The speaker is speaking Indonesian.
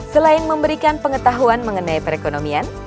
selain memberikan pengetahuan mengenai perekonomian